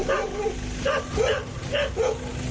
โอ้โห